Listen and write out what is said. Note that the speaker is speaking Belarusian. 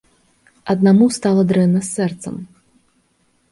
Аднаму стала дрэнна з сэрцам.